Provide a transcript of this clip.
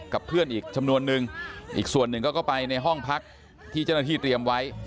กับเพื่อนอีกจำนวนนึงอีกส่วนหนึ่งก็ไปในห้องพักที่เจ้าหน้าที่เตรียมไว้